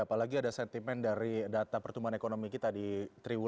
apalagi ada sentimen dari data pertumbuhan ekonomi kita di triwulan